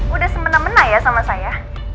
udah semena mena ya sama saya